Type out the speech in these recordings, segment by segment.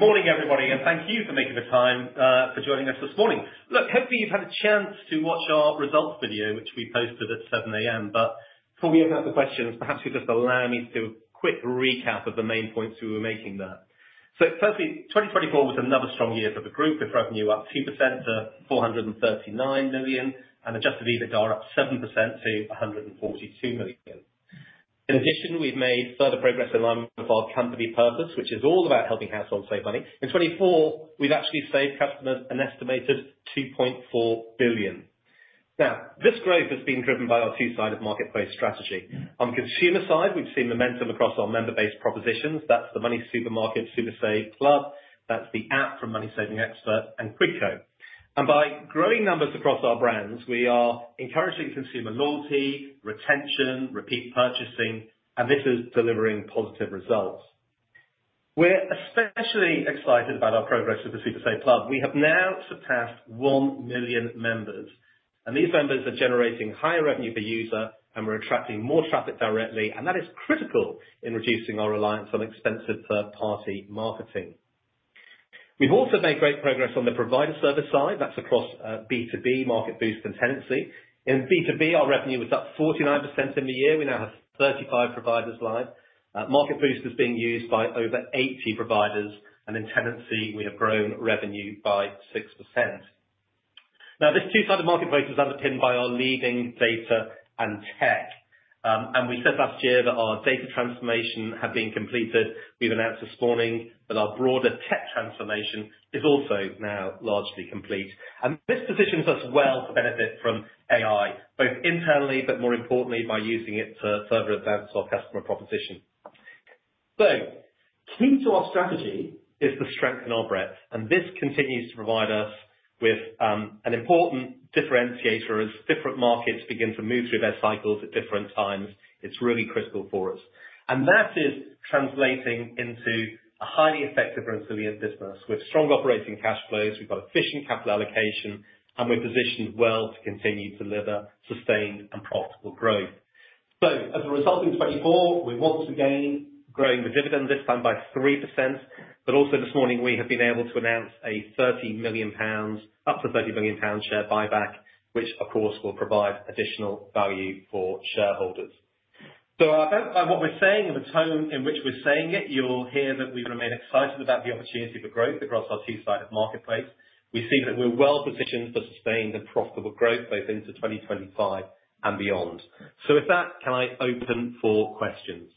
Morning, everybody, and thank you for making the time, for joining us this morning. Look, hopefully you've had a chance to watch our results video, which we posted at 7:00 A.M. But before we open up the questions, perhaps you'll just allow me to do a quick recap of the main points we were making there. So firstly, 2024 was another strong year for the group, with revenue up 2% to 439 million and Adjusted EBITDA up 7% to 142 million. In addition, we've made further progress in line with our company purpose, which is all about helping households save money. In 2024, we've actually saved customers an estimated 2.4 billion. Now, this growth has been driven by our two-sided marketplace strategy. On the consumer side, we've seen momentum across our member-based propositions. That's the MoneySuperMarket Super Save Club. That's the app from MoneySavingExpert and Quidco. By growing numbers across our brands, we are encouraging consumer loyalty, retention, repeat purchasing, and this is delivering positive results. We're especially excited about our progress with the Super Save Club. We have now surpassed 1 million members, and these members are generating higher revenue per user, and we're attracting more traffic directly, and that is critical in reducing our reliance on expensive third-party marketing. We've also made great progress on the provider service side. That's across B2B, Market Boost, and Tenancy. In B2B, our revenue was up 49% in the year. We now have 35 providers live. Market Boost is being used by over 80 providers, and in Tenancy, we have grown revenue by 6%. Now, this two-sided marketplace is underpinned by our leading data and tech, and we said last year that our data transformation had been completed. We've announced this morning that our broader tech transformation is also now largely complete, and this positions us well to benefit from AI, both internally, but more importantly, by using it to further advance our customer proposition, so key to our strategy is to strengthen our breadth, and this continues to provide us with an important differentiator as different markets begin to move through their cycles at different times. It's really critical for us, and that is translating into a highly effective and resilient business with strong operating cash flows. We've got efficient capital allocation, and we're positioned well to continue to deliver sustained and profitable growth, so as a result in 2024, we've once again grown the dividend, this time by 3%. But also this morning, we have been able to announce a 30 million pound, up to GBP 30 million share buyback, which, of course, will provide additional value for shareholders. So, based on what we're saying and the tone in which we're saying it, you'll hear that we remain excited about the opportunity for growth across our two-sided marketplace. We see that we're well positioned for sustained and profitable growth both into 2025 and beyond. So with that, can I open for questions?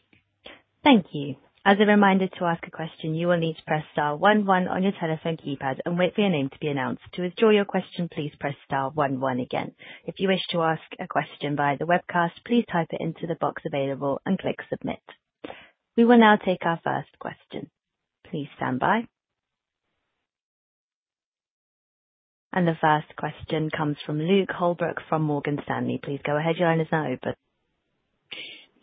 Thank you. As a reminder to ask a question, you will need to press star one one on your telephone keypad and wait for your name to be announced. To withdraw your question, please press star one one again. If you wish to ask a question via the webcast, please type it into the box available and click submit. We will now take our first question. Please stand by. And the first question comes from Luke Holbrook from Morgan Stanley. Please go ahead. Your line is now open.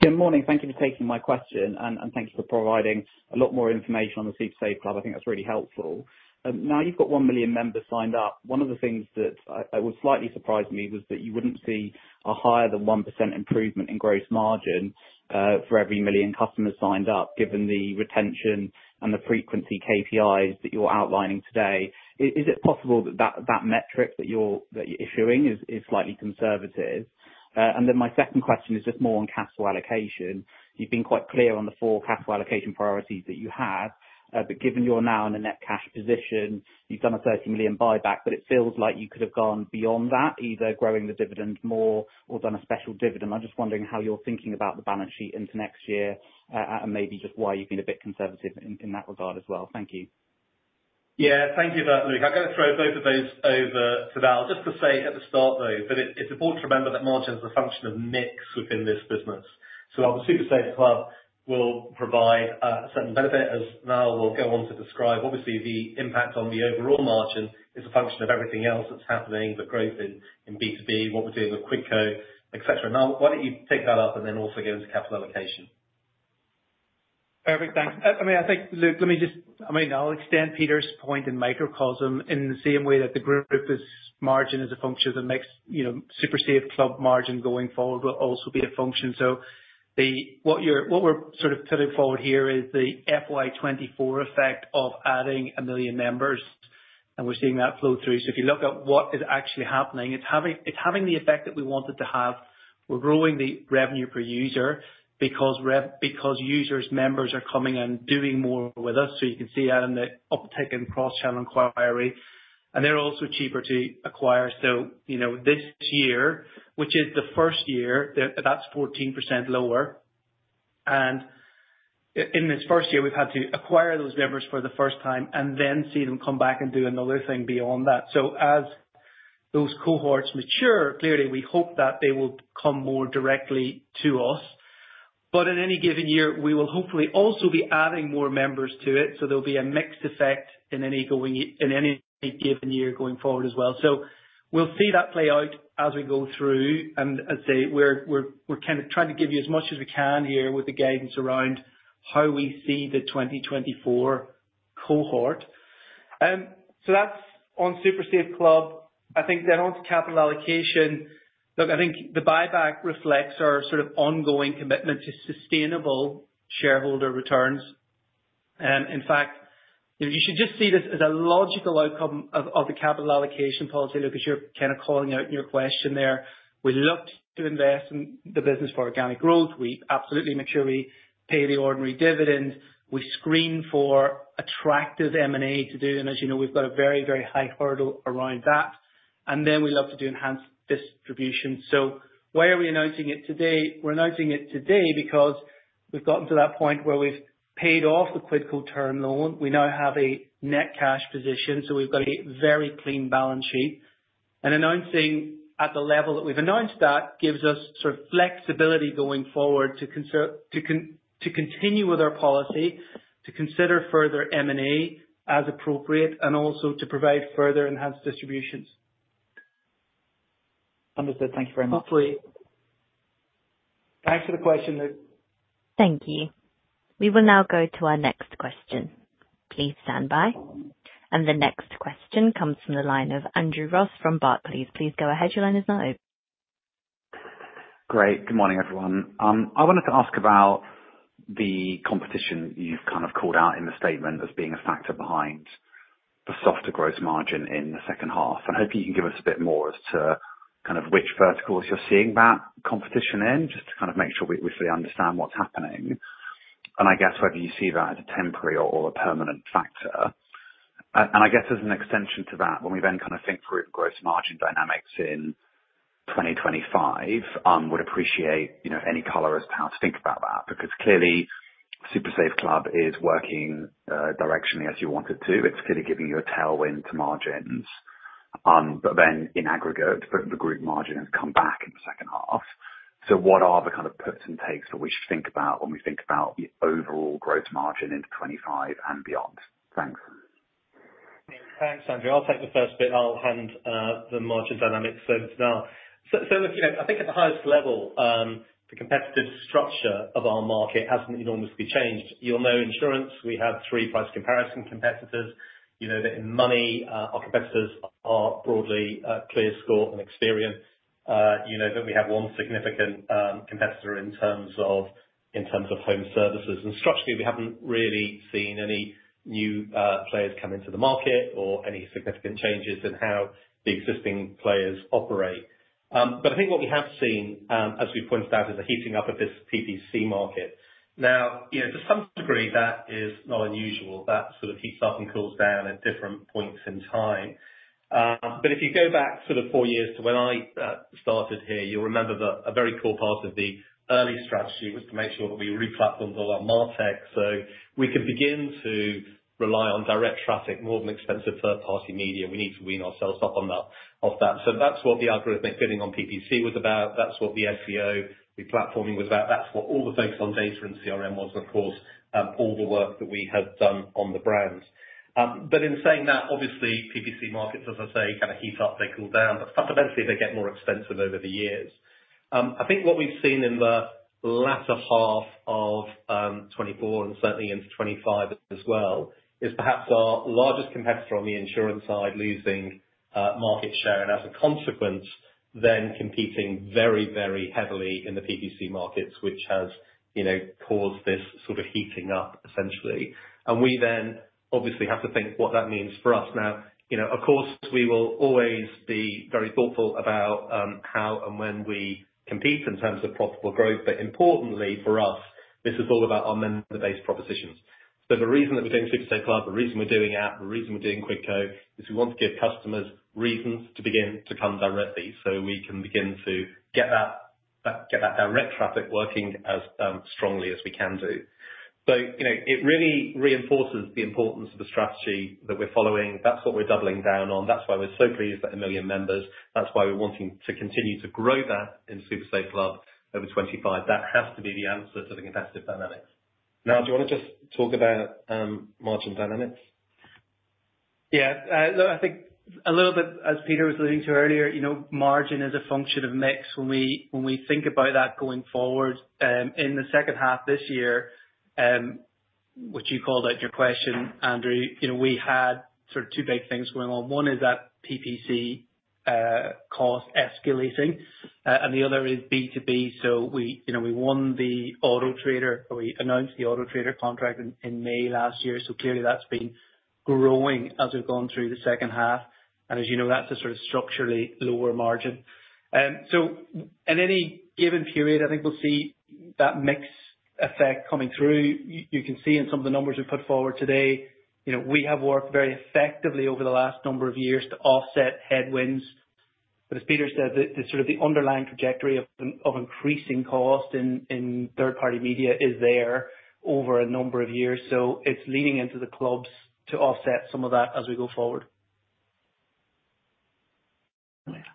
Good morning. Thank you for taking my question, and thank you for providing a lot more information on the Super Save Club. I think that's really helpful. Now you've got one million members signed up. One of the things that was slightly surprising to me was that you wouldn't see a higher than 1% improvement in gross margin, for every million customers signed up, given the retention and the frequency KPIs that you're outlining today. Is it possible that that metric that you're issuing is slightly conservative? And then my second question is just more on cash flow allocation. You've been quite clear on the four cash flow allocation priorities that you have, but given you're now in a net cash position, you've done a 30 million buyback, but it feels like you could have gone beyond that, either growing the dividend more or done a special dividend. I'm just wondering how you're thinking about the balance sheet into next year, and maybe just why you've been a bit conservative in that regard as well. Thank you. Yeah. Thank you for that, Luke. I'm gonna throw both of those over to Niall. Just to say at the start, though, that it's important to remember that margin is a function of mix within this business. So while the Super Save Club will provide a certain benefit, as Niall will go on to describe, obviously, the impact on the overall margin is a function of everything else that's happening, the growth in B2B, what we're doing with Quidco, etc. Niall, why don't you take that up and then also get into capital allocation? Perfect. Thanks. I mean, I think, Luke, let me just I mean, I'll extend Peter's point and microcosm. In the same way that the group's margin is a function that makes, you know, Super Save Club margin going forward will also be a function. So what we're sort of putting forward here is the FY2024 effect of adding a million members, and we're seeing that flow through. So if you look at what is actually happening, it's having the effect that we wanted to have. We're growing the revenue per user because rev because users, members are coming and doing more with us. So you can see that in the uptick in cross-channel inquiry. They're also cheaper to acquire. So, you know, this year, which is the first year, that's 14% lower. In this first year, we've had to acquire those members for the first time and then see them come back and do another thing beyond that. As those cohorts mature, clearly, we hope that they will come more directly to us. But in any given year, we will hopefully also be adding more members to it. So there'll be a mixed effect in any given year going forward as well. We'll see that play out as we go through. And as I say, we're kinda trying to give you as much as we can here with the guidance around how we see the 2024 cohort. So that's on Super Save Club. I think then onto capital allocation. Look, I think the buyback reflects our sort of ongoing commitment to sustainable shareholder returns. In fact, you know, you should just see this as a logical outcome of the capital allocation policy. Luke, as you're kinda calling out in your question there, we looked to invest in the business for organic growth. We absolutely make sure we pay the ordinary dividend. We screen for attractive M&A to do. And as you know, we've got a very, very high hurdle around that. And then we look to do enhanced distribution. So why are we announcing it today? We're announcing it today because we've gotten to that point where we've paid off the Quidco term loan. We now have a net cash position. So we've got a very clean balance sheet. Announcing at the level that we've announced that gives us sort of flexibility going forward to continue with our policy, to consider further M&A as appropriate, and also to provide further enhanced distributions. Understood. Thank you very much. Hopefully. Thanks for the question, Luke. Thank you. We will now go to our next question. Please stand by, and the next question comes from the line of Andrew Ross from Barclays. Please go ahead. Your line is now open. Great. Good morning, everyone. I wanted to ask about the competition you've kind of called out in the statement as being a factor behind the softer gross margin in the second half. I hope you can give us a bit more as to kind of which verticals you're seeing that competition in, just to kind of make sure we fully understand what's happening, and I guess whether you see that as a temporary or a permanent factor, and I guess as an extension to that, when we then kinda think through the gross margin dynamics in 2025, would appreciate, you know, any color as to how to think about that because clearly, Super Save Club is working, directionally as you wanted to. It's clearly giving you a tailwind to margins, but then in aggregate, the group margin has come back in the second half. So what are the kind of perks and takes that we should think about when we think about the overall gross margin into 2025 and beyond? Thanks. Thanks, Andrew. I'll take the first bit. I'll hand the margin dynamics over to Nal. So look, you know, I think at the highest level, the competitive structure of our market hasn't enormously changed. You'll know insurance. We have three price comparison competitors. You know that in money, our competitors are broadly ClearScore and Experian. You know that we have one significant competitor in terms of home services, and structurally, we haven't really seen any new players come into the market or any significant changes in how the existing players operate, but I think what we have seen, as we've pointed out, is a heating up of this PPC market. Now, you know, to some degree, that is not unusual. That sort of heats up and cools down at different points in time. But if you go back sort of four years to when I started here, you'll remember that a very core part of the early strategy was to make sure that we replatformed all our martech so we could begin to rely on direct traffic more than expensive third-party media. We need to wean ourselves off that. That's what the algorithmic bidding on PPC was about. That's what the SEO replatforming was about. That's what all the focus on data and CRM was, and of course, all the work that we have done on the brand. But in saying that, obviously, PPC markets, as I say, kinda heat up, they cool down, but fundamentally, they get more expensive over the years. I think what we've seen in the latter half of 2024 and certainly into 2025 as well is perhaps our largest competitor on the insurance side losing market share and as a consequence, then competing very, very heavily in the PPC markets, which has, you know, caused this sort of heating up, essentially. And we then obviously have to think what that means for us. Now, you know, of course, we will always be very thoughtful about how and when we compete in terms of profitable growth. But importantly for us, this is all about our member-based propositions. So the reason that we're doing Super Save Club, the reason we're doing app, the reason we're doing Quidco is we want to give customers reasons to begin to come directly so we can begin to get that direct traffic working as strongly as we can do. So, you know, it really reinforces the importance of the strategy that we're following. That's what we're doubling down on. That's why we're so pleased at a million members. That's why we're wanting to continue to grow that in Super Save Club over 2025. That has to be the answer to the competitive dynamics. Nal, do you wanna just talk about, margin dynamics? Yeah. Look, I think a little bit as Peter was alluding to earlier, you know, margin is a function of mix. When we think about that going forward, in the second half this year, which you called out in your question, Andrew, you know, we had sort of two big things going on. One is that PPC costs escalating. And the other is B2B. So we, you know, we won the Auto Trader or we announced the Auto Trader contract in May last year. So clearly, that's been growing as we've gone through the second half. And as you know, that's a sort of structurally lower margin. So in any given period, I think we'll see that mixed effect coming through. You can see in some of the numbers we've put forward today, you know, we have worked very effectively over the last number of years to offset headwinds. But as Peter said, the sort of underlying trajectory of increasing cost in third-party media is there over a number of years. So it's leaning into the clubs to offset some of that as we go forward.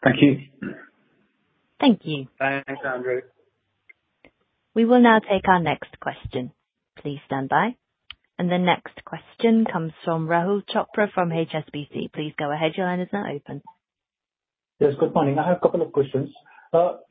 Thank you. Thank you. Thanks, Andrew. We will now take our next question. Please stand by, and the next question comes from Rahul Chopra from HSBC. Please go ahead. Your line is now open. Yes. Good morning. I have a couple of questions.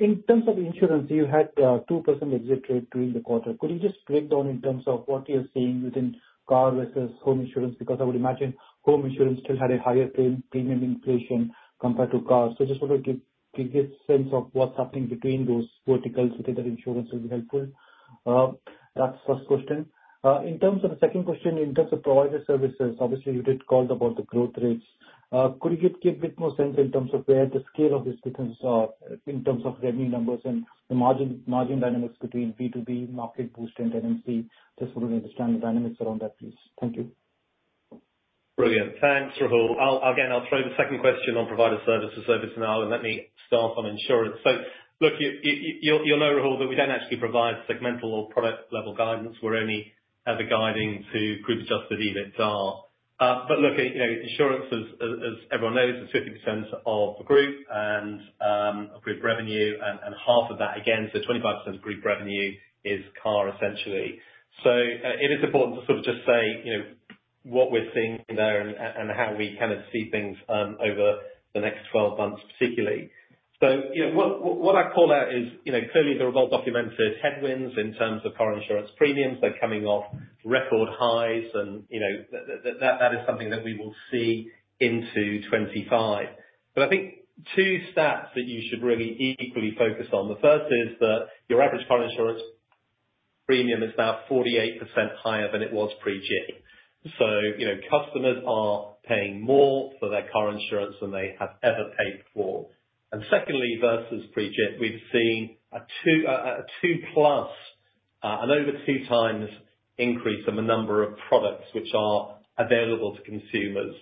In terms of insurance, you had 2% exit rate during the quarter. Could you just break down in terms of what you're seeing within car versus home insurance? Because I would imagine home insurance still had a higher premium inflation compared to cars. So I just want to give you a sense of what's happening between those verticals, whether that insurance will be helpful. That's the first question. In terms of the second question, in terms of provider services, obviously, you did call about the growth rates. Could you give a bit more sense in terms of where the scale of these differences are in terms of revenue numbers and the margin dynamics between B2B Market Boost and M&C? Just wanted to understand the dynamics around that, please. Thank you. Brilliant. Thanks, Rahul. I'll again throw the second question on provider services over to Nal, and let me start on insurance. So, look, you'll know, Rahul, that we don't actually provide segmental or product-level guidance. We're only ever guiding to group-adjusted EBITDA. But look, you know, insurance, as everyone knows, is 50% of the group and of group revenue. And half of that, again, so 25% of group revenue is car, essentially. So, it is important to sort of just say, you know, what we're seeing there and how we kind of see things over the next 12 months particularly. So, you know, what I call out is, you know, clearly, there are well-documented headwinds in terms of car insurance premiums. They're coming off record highs. And, you know, that is something that we will see into 2025. But I think two stats that you should really equally focus on. The first is that your average car insurance premium is now 48% higher than it was pre-G. So, you know, customers are paying more for their car insurance than they have ever paid for. And secondly, versus pre-G, we've seen a 2+, an over-two-times increase in the number of products which are available to consumers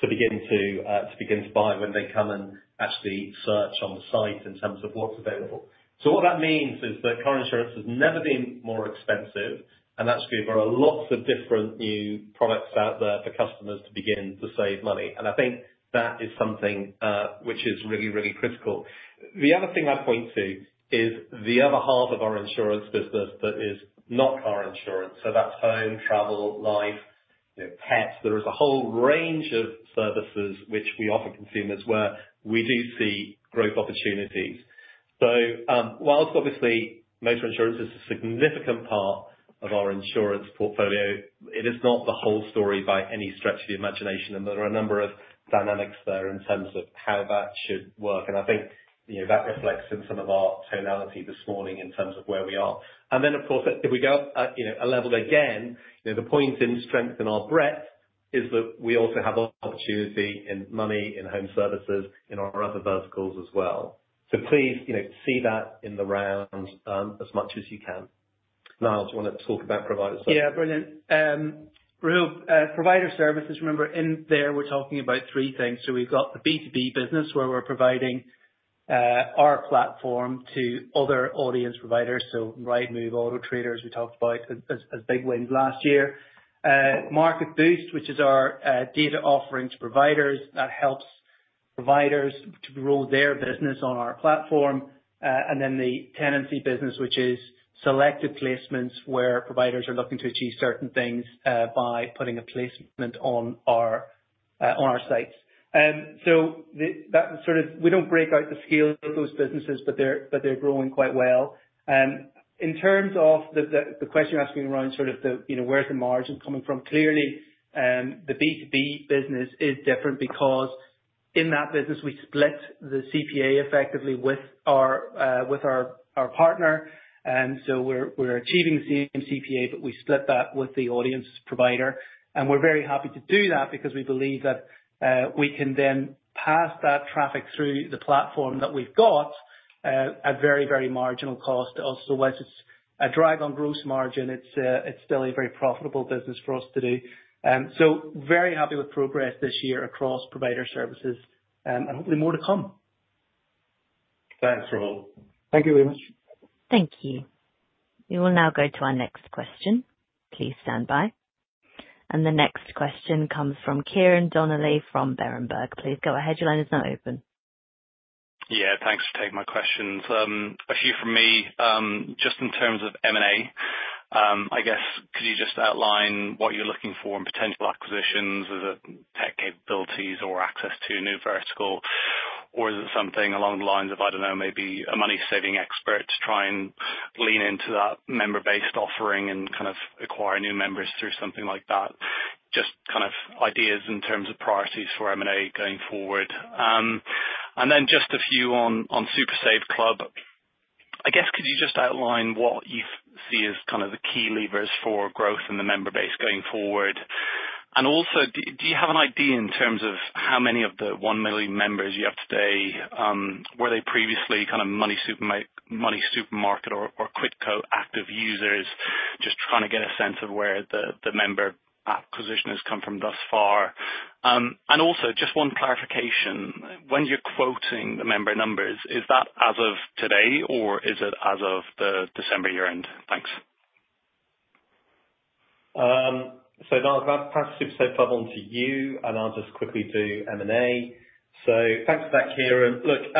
to begin to buy when they come and actually search on the site in terms of what's available. So what that means is that car insurance has never been more expensive. And actually, there are lots of different new products out there for customers to begin to save money. And I think that is something, which is really, really critical. The other thing I point to is the other half of our insurance business that is not car insurance. So that's home, travel, life, you know, pets. There is a whole range of services which we offer consumers where we do see growth opportunities. So, whilst obviously, motor insurance is a significant part of our insurance portfolio, it is not the whole story by any stretch of the imagination. And there are a number of dynamics there in terms of how that should work. And I think, you know, that reflects in some of our tonality this morning in terms of where we are. And then, of course, if we go, you know, a level again, you know, the point in strength in our breadth is that we also have opportunity in money, in home services, in our other verticals as well. So please, you know, see that in the round, as much as you can. Nal, do you wanna talk about provider services? Yeah. Brilliant. Rahul, provider services, remember, in there, we're talking about three things. So we've got the B2B business where we're providing our platform to other audience providers. So Rightmove, Auto Trader, as we talked about as big wins last year. Market Boost, which is our data offering to providers. That helps providers to grow their business on our platform. And then the Tenancy business, which is selected placements where providers are looking to achieve certain things by putting a placement on our sites. So that sort of, we don't break out the scale of those businesses, but they're growing quite well. In terms of the question you're asking around sort of the, you know, where's the margin coming from, clearly, the B2B business is different because in that business, we split the CPA effectively with our partner. So we're achieving the same CPA, but we split that with the audience provider. And we're very happy to do that because we believe that we can then pass that traffic through the platform that we've got, at very, very marginal cost to us. So whether it's a drag on gross margin, it's still a very profitable business for us to do. So very happy with progress this year across provider services, and hopefully more to come. Thanks, Rahul. Thank you very much. Thank you. We will now go to our next question. Please stand by, and the next question comes from Ciarán Donnelly from Berenberg. Please go ahead. Your line is now open. Yeah. Thanks for taking my questions. A few from me. Just in terms of M&A, I guess, could you just outline what you're looking for in potential acquisitions? Is it tech capabilities or access to a new vertical? Or is it something along the lines of, I don't know, maybe a MoneySavingExpert to try and lean into that member-based offering and kind of acquire new members through something like that? Just kind of ideas in terms of priorities for M&A going forward. And then just a few on Super Save Club. I guess, could you just outline what you see as kind of the key levers for growth in the member base going forward? And also, do you have an idea in terms of how many of the one million members you have today? Were they previously kind of MoneySuperMarket or Quidco active users? Just trying to get a sense of where the member acquisition has come from thus far, and also, just one clarification. When you're quoting the member numbers, is that as of today, or is it as of the December year-end? Thanks. So, Nal, I'll pass Super Save Club on to you, and I'll just quickly do M&A. So thanks for that, Ciarán. Look,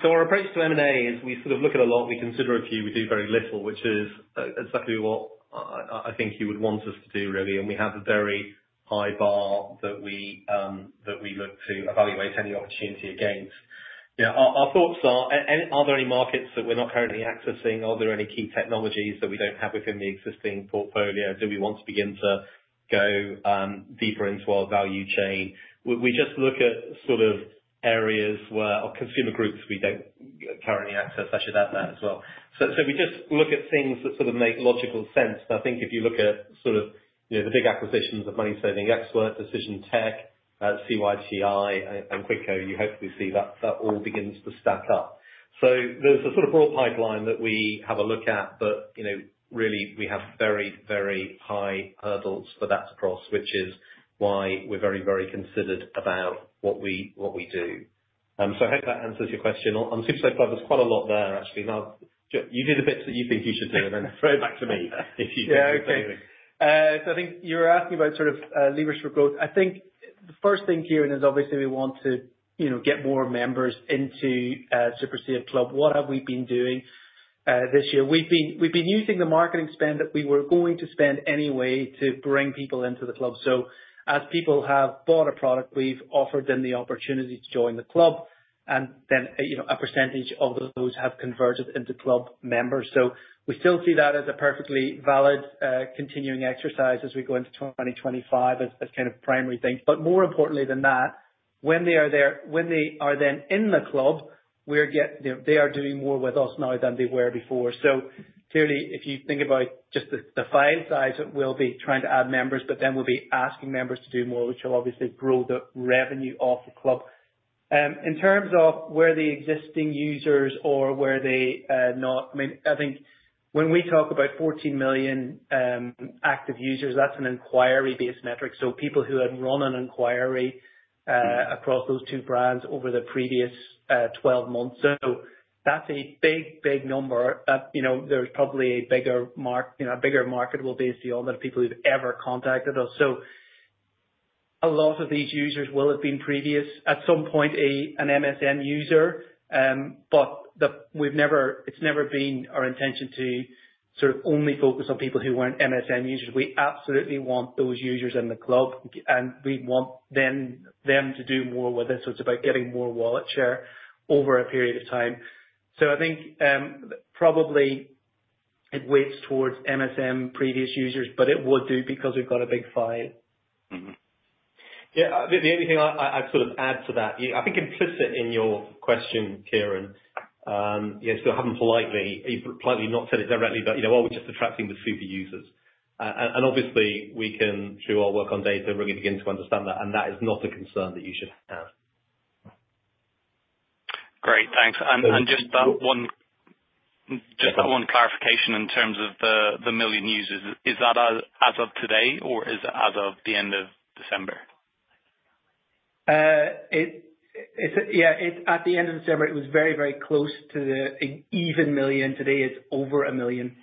so our approach to M&A is we sort of look at a lot. We consider a few. We do very little, which is exactly what, I, I think you would want us to do, really. And we have a very high bar that we, that we look to evaluate any opportunity against. Yeah. Our, our thoughts are, any are there any markets that we're not currently accessing? Are there any key technologies that we don't have within the existing portfolio? Do we want to begin to go deeper into our value chain? We, we just look at sort of areas where or consumer groups we don't currently access. I should add that as well. So, so we just look at things that sort of make logical sense. And I think if you look at sort of, you know, the big acquisitions of MoneySavingExpert, Decision Tech, CYTI, and Quidco, you hopefully see that that all begins to stack up. So there's a sort of broad pipeline that we have a look at, but, you know, really, we have very, very high hurdles for that to cross, which is why we're very, very considerate about what we do. So I hope that answers your question. On Super Save Club, there's quite a lot there, actually. Nal, you did the bits that you think you should do, and then throw it back to me if you think you can do anything. Yeah. Okay. So I think you were asking about sort of levers for growth. I think the first thing, Ciarán, is obviously we want to, you know, get more members into Super Save Club. What have we been doing this year? We've been using the marketing spend that we were going to spend anyway to bring people into the club. So as people have bought a product, we've offered them the opportunity to join the club. And then, you know, a percentage of those have converted into club members. So we still see that as a perfectly valid continuing exercise as we go into 2025 as kind of primary thing. But more importantly than that, when they are then in the club, we get you know they are doing more with us now than they were before. So clearly, if you think about just the file size, it will be trying to add members, but then we'll be asking members to do more, which will obviously grow the revenue of the club. In terms of where the existing users are, I mean, I think when we talk about 14 million active users, that's an inquiry-based metric, so people who had run an inquiry across those two brands over the previous 12 months, so that's a big, big number. You know, there's probably a bigger market, you know. A bigger market will basically be on the people who've ever contacted us, so a lot of these users will have been previous at some point an MSE user. But we've never. It's never been our intention to sort of only focus on people who weren't MSE users. We absolutely want those users in the club, and we want them then to do more with us. So it's about getting more wallet share over a period of time. So I think, probably it weights towards MSE previous users, but it would do because we've got a big file. Yeah. The only thing I'd sort of add to that, you, I think, implicit in your question, Ciarán, you still haven't politely. You've politely not said it directly, but, you know, "Well, we're just attracting the super users." And obviously, we can, through our work on data, really begin to understand that. And that is not a concern that you should have. Great. Thanks. And just that one clarification in terms of the million users. Is that as of today, or is it as of the end of December? It, at the end of December, it was very, very close to an even million. Today, it's over a million.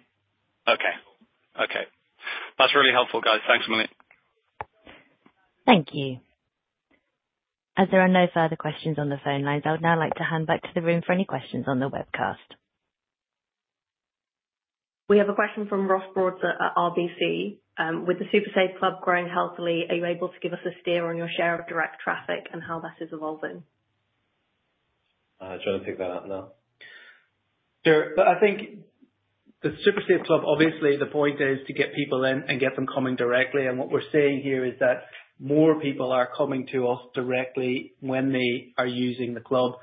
Okay. Okay. That's really helpful, guys. Thanks a million. Thank you. As there are no further questions on the phone lines, I would now like to hand back to the room for any questions on the webcast. We have a question from Rolf Brad at RBC. With the Super Save Club growing healthily, are you able to give us a steer on your share of direct traffic and how that is evolving? Trying to pick that up now. Sure, but I think the Super Save Club, obviously, the point is to get people in and get them coming directly, and what we're seeing here is that more people are coming to us directly when they are using the club.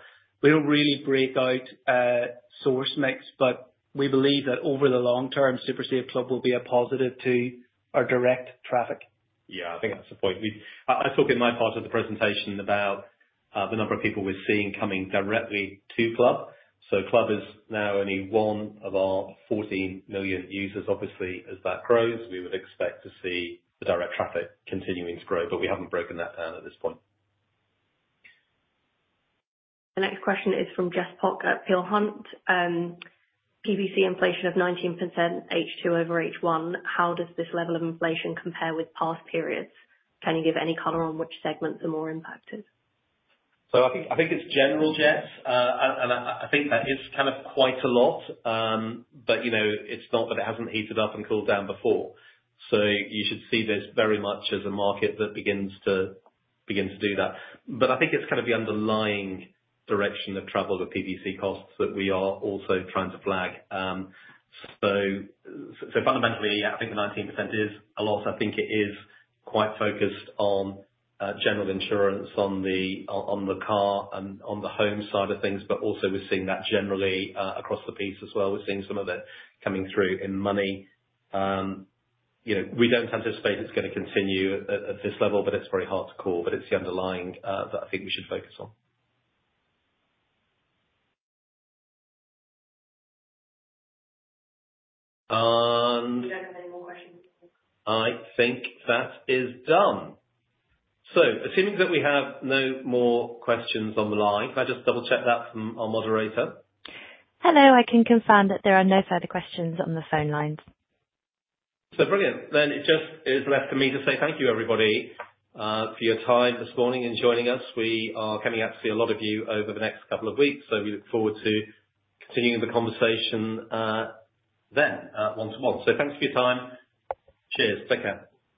We don't really break out source mix, but we believe that over the long term, Super Save Club will be a positive to our direct traffic. Yeah. I think that's the point. I talked in my part of the presentation about the number of people we're seeing coming directly to club. So club is now only one of our 14 million users. Obviously, as that grows, we would expect to see the direct traffic continuing to grow, but we haven't broken that down at this point. The next question is from Jessica Pok at Peel Hunt. PPC inflation of 19% H2 over H1. How does this level of inflation compare with past periods? Can you give any color on which segments are more impacted? So I think it's general, Jess. And I think that is kind of quite a lot. But you know, it's not that it hasn't heated up and cooled down before. So you should see this very much as a market that begins to do that. But I think it's kind of the underlying direction of travel with PPC costs that we are also trying to flag. So fundamentally, yeah, I think the 19% is a loss. I think it is quite focused on general insurance on the car and on the home side of things. But also, we're seeing that generally across the piece as well. We're seeing some of it coming through in Money. You know, we don't anticipate it's gonna continue at this level, but it's very hard to call. It's the underlying that I think we should focus on. We don't have any more questions. I think that is done. So assuming that we have no more questions on the line, can I just double-check that from our moderator? Hello. I can confirm that there are no further questions on the phone lines. So brilliant. Then it just is left for me to say thank you, everybody, for your time this morning and joining us. We are coming up to see a lot of you over the next couple of weeks. So we look forward to continuing the conversation, then, one to one. So thanks for your time. Cheers. Take care.